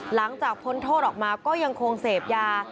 หลังจากพ้นโทษออกมาก็ยังคงเสพยา